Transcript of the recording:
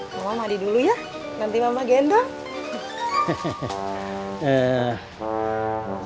mama mandi dulu ya nanti mama gentong